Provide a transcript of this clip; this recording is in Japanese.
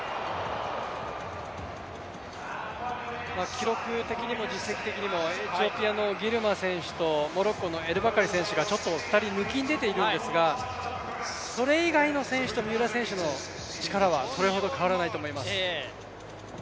記録的にも実績的にも、エチオピアのギルマ選手とモロッコのエルバカリ選手がちょっと２人抜きん出ているんですが、それ以外の選手と三浦選手の力はそれほど変わらないと思います。